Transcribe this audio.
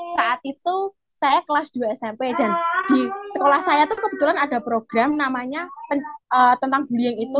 saat itu saya kelas dua smp dan di sekolah saya tuh kebetulan ada program namanya tentang bullying itu